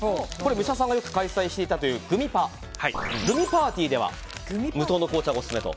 武者さんがよく開催していたというグミパグミパーティーでは無糖の紅茶がオススメと。